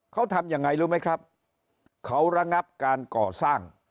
เขาทำยังไงรู้ไหมครับเขาระงับการก่อสร้าง